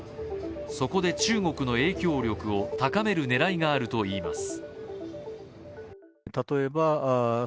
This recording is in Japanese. そこで中国の影響力を高める狙いがあるといいます。